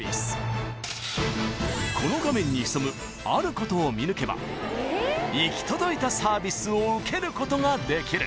［この画面に潜むあることを見抜けば行き届いたサービスを受けることができる］